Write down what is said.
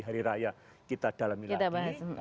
hari raya kita dalam milik